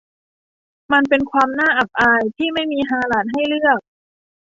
มันเป็นความน่าอับอายที่ไม่มีฮาลาลให้เลือก